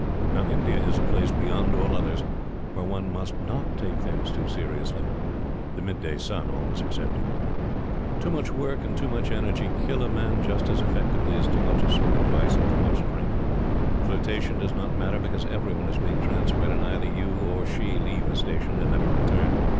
Now India is a place beyond all others where one must not take things too seriously the midday sun always excepted. Too much work and too much energy kill a man just as effectively as too much assorted vice or too much drink. Flirtation does not matter because every one is being transferred and either you or she leave the Station, and never return.